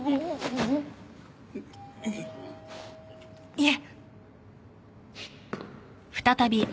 いえ。